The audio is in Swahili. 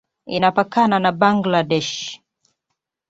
Inapakana na Bangladesh.